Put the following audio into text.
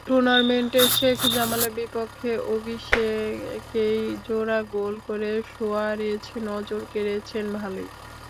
টুর্নামেন্টে শেখ জামালের বিপক্ষে অভিষেকেই জোড়া গোল করা সুয়ারেজ নজর কেড়েছেন ভালোই।